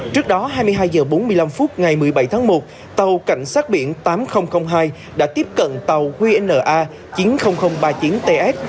trước đó hai mươi hai h bốn mươi năm phút ngày một mươi bảy tháng một tàu cảnh sát biển tám nghìn hai đã tiếp cận tàu qna chín mươi nghìn ba mươi chín ts